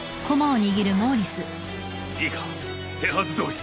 いいか手はずどおり。